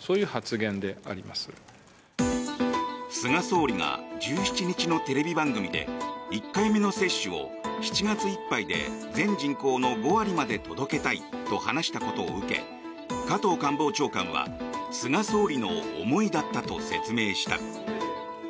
菅総理が１７日のテレビ番組で１回目の接種を７月いっぱいで全人口の５割まで届けたいと話したことを受け加藤官房長官は菅総理の思いだったと説明した。